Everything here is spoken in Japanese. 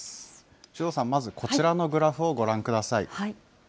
首藤さん、まずこちらのグラフをご覧ください。